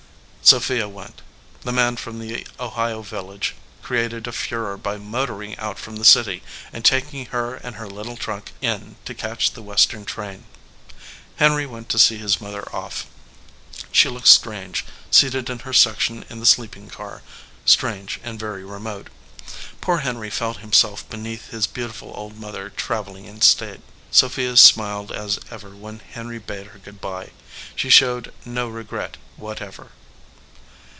Sophia went. The man from the Ohio village created a furore by motoring out from the city and taking her and her little trunk in to catch the West ern train. Henry went to see his mother off. She looked strange, seated in her section in the sleeping car, strange and very remote. Poor Henry felt himself beneath his beautiful old mother traveling in state. Sophia smiled as ever when Henry bade her good by. She showed no regret whatever.